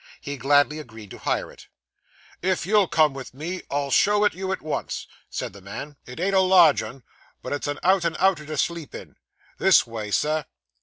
He gladly agreed to hire it. 'If you'll come with me, I'll show it you at once,' said the man. 'It ain't a large 'un; but it's an out and outer to sleep in. This way, sir.